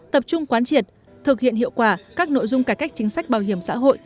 tập trung quán triệt thực hiện hiệu quả các nội dung cải cách chính sách bảo hiểm xã hội